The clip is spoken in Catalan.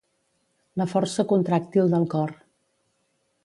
La força contràctil del cor.